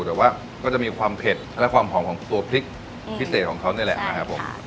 แต่ก็จะจะมีความเห็นและความหอมของตัวพริกพิเศษของเขาเนี่ยแหละนะฮะ